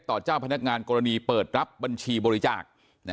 เจ้าพนักงานกรณีเปิดรับบัญชีบริจาค